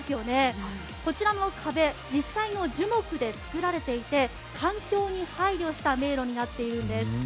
こちらの壁、実際の樹木で作られていて環境に配慮した迷路になっているんです。